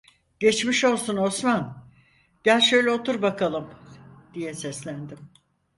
"Geçmiş olsun Osman, gel şöyle otur bakalım!" diye seslendim.